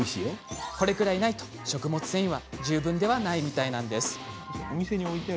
これくらいないと、食物繊維は十分ではないみたいなんですね。